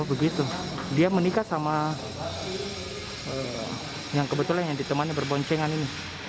oh begitu dia menikah sama yang kebetulan yang ditemani berboncengan ini